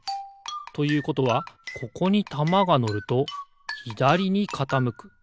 ということはここにたまがのるとひだりにかたむく。